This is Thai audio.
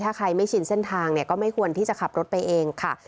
ถ้าใครไม่ชินเส้นทางเนี่ยก็ไม่ควรที่จะขับรถไปเองค่ะ